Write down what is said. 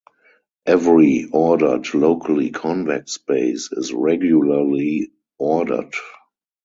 Every ordered locally convex space is regularly ordered.